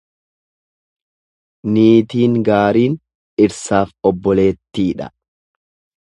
Niitiin gaariin dhiirsaaf obboleettiidha.